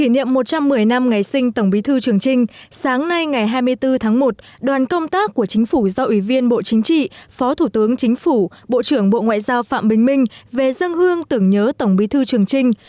nhân một trăm một mươi năm ngày sinh tổng bí thư trường trinh sáng nay ngày hai mươi bốn tháng một đoàn công tác của chính phủ do ủy viên bộ chính trị phó thủ tướng chính phủ bộ trưởng bộ ngoại giao phạm bình minh về dân hương tưởng nhớ tổng bí thư trường trinh